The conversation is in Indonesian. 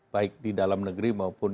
baik di dalam negeri maupun